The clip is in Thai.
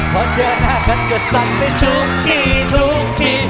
พอเจอหน้ากันก็สั่งได้ทุกที่ทุกที